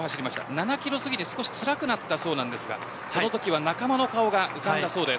７キロ過ぎで少し辛くなったそうですがそのときは仲間の顔が浮かんだそうです。